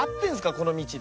この道で。